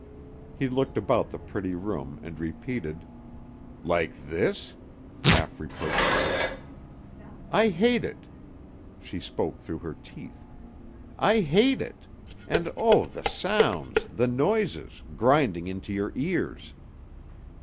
He looked about the pretty room and repeated, "Like this?" half reproachfully. "I hate it!" She spoke through her teeth. "I hate it! And, oh, the sounds, the noises, grinding into your ears."